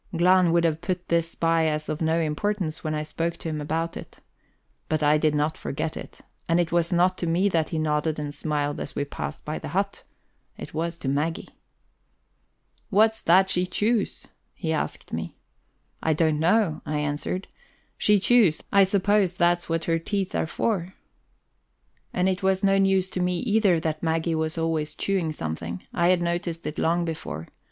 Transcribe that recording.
Glahn would have put this by as of no importance when I spoke to him about it. But I did not forget it. And it was not to me that he nodded and smiled as we passed by the hut! it was to Maggie. "What's that she chews?" he asked me. "I don't know," I answered. "She chews I suppose that's what her teeth are for." And it was no news to me either that Maggie was always chewing something; I had noticed it long before.